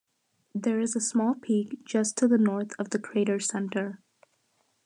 There is a small peak just to the north of the crater center.